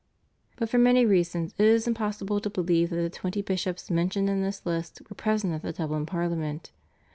But for many reasons it is impossible to believe that the twenty bishops mentioned in this list were present at the Dublin Parliament.